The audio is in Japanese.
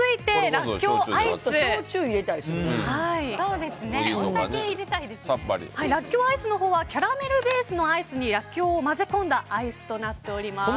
らっきょうアイスはキャラメルベースのアイスにらっきょうを混ぜ込んだアイスとなっています。